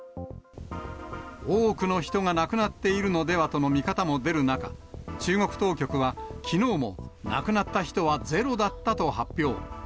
多くの人が亡くなっているのではとの見方も出る中、中国当局は、きのうも亡くなった人はゼロだったと発表。